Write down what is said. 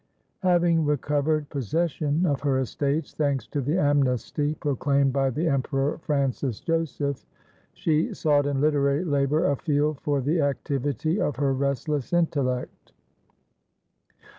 Having recovered possession of her estates, thanks to the amnesty proclaimed by the Emperor Francis Joseph, she sought in literary labour a field for the activity of her restless intellect.